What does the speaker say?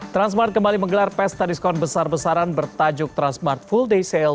transmart kembali menggelar pesta diskon besar besaran bertajuk transmart full day sale